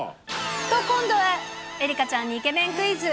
今度は愛花ちゃんにイケメンクイズ。